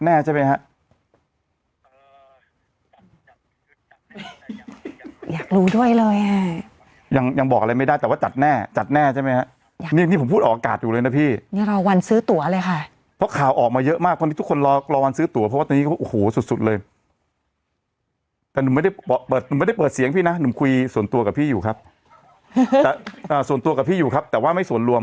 เนี่ยอ้าวเมื่อไหร่รอเซ็นสัญญาแบบเป็นทางการส่วนตัวแต่ไม่ส่วนดวง